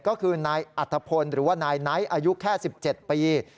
ก็คือนายอัธพลหรือว่านายไนท์อายุแค่๑๗ปี